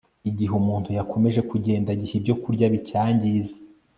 igihe umuntu yakomeje kugenda agiha ibyokurya bicyangiza